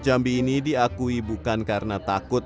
sudah dilayangkan duluan